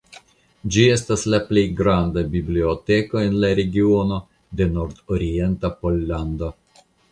Ĝi estas la plej granda biblioteko en la regiono de nordorienta Pollando.